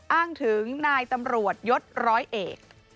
อ้างถึงนายตำรวจยศร้อยเอก